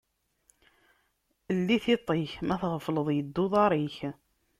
Lli tiṭ-ik, ma tɣefleḍ yedda uḍaṛ-ik.